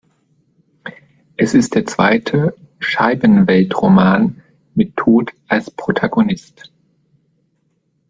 Es ist der zweite Scheibenweltroman mit Tod als Protagonist.